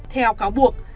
theo cáo buộc